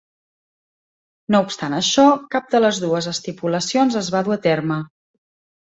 No obstant això, cap de les dues estipulacions es va dur a terme.